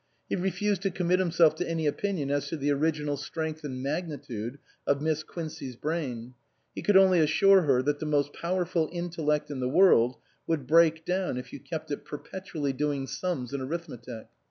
He refused to commit himself to any opinion as to the original strength and magnitude of Miss Quincey's brain ; he could only assure her that the most powerful intellect in the world would break down if you kept it perpetually doing sums in arithmetic.